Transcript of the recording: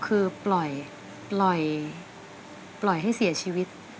คือปล่อยให้เสียชีวิต